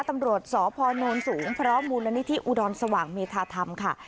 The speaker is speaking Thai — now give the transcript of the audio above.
ตำรวจสพนสูงพร้อมมูลนิธิอุดรสว่างเมธาธรรมค่ะ